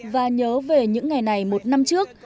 và nhớ về những ngày này một năm trước